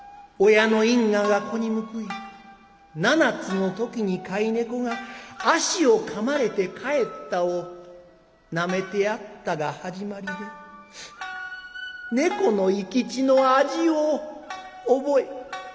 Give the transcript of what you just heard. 親の因果が子に報い７つの時に飼い猫が足をかまれて帰ったをなめてやったが始まりで猫の生き血の味を覚え